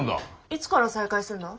いつから再開するんだ？